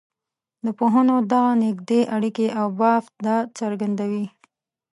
د پوهنو دغه نږدې اړیکي او بافت دا څرګندوي.